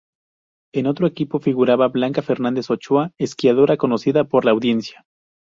En el otro equipo figuraba Blanca Fernández Ochoa, esquiadora conocida por la audiencia.